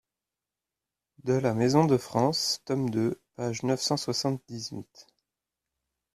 de la maison de France, tome deux, page neuf cent soixante-dix-huit.